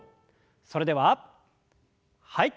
それでははい。